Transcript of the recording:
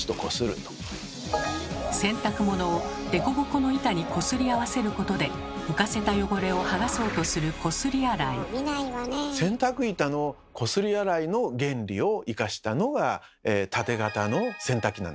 洗濯物を凸凹の板にこすり合わせることで浮かせた汚れをはがそうとする洗濯板のこすり洗いの原理を生かしたのがタテ型の洗濯機なんです。